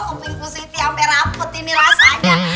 kupingku siti hampir rapet ini rasanya